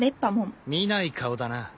見ない顔だな。